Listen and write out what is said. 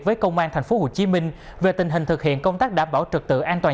với công an tp hcm về tình hình thực hiện công tác đảm bảo trực tự an toàn